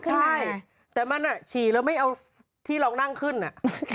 ใช่แต่มันอ่ะฉี่แล้วไม่เอาที่เรานั่งขึ้นอ่ะ